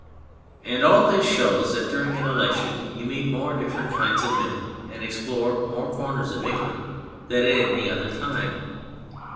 And all this shows that during an election you meet more different kinds of men and explore more corners of England than at any other time.